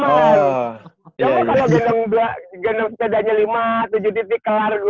coba kalau gendong sepedanya lima tujuh titik kelar